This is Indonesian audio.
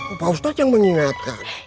opa ustadz yang mengingatkan